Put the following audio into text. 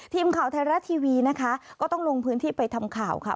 ทีมข่าวไทยรัฐทีวีนะคะก็ต้องลงพื้นที่ไปทำข่าวค่ะ